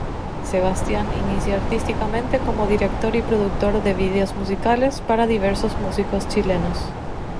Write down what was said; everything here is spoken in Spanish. Sebastián inicia artísticamente como director y productor de vídeos musicales para diversos músicos chilenos.